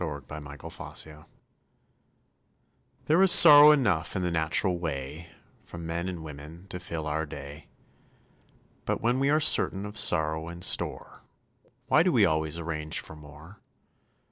THE POWER OF THE DOG There is sorrow enough in the natural way From men and women to fill our day; But when we are certain of sorrow in store, Why do we always arrange for more?